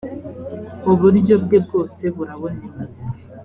uburyo bwe bwose buraboneye.